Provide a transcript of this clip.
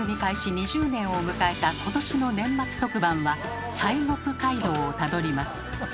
２０年を迎えた今年の年末特番は「西国街道」をたどります。